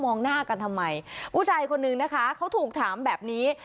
หน้ากันทำไมผู้ชายคนนึงนะคะเขาถูกถามแบบนี้